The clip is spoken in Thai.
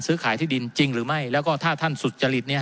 ซื้อขายที่ดินจริงหรือไม่แล้วก็ถ้าท่านสุจริต